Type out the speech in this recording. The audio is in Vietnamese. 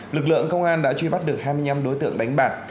lực lượng công an đã truy bắt được hai mươi năm đối tượng đánh bạc